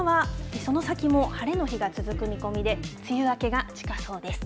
その先も晴れの日が続く見込みで梅雨明けが近そうです。